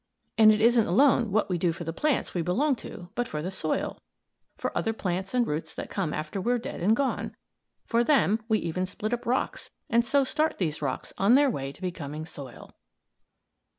And, it isn't alone what we do for the plants we belong to, but for the soil, for other plants and roots that come after we're dead and gone. For them we even split up rocks, and so start these rocks on their way to becoming soil."